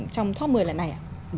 trong top một mươi lần này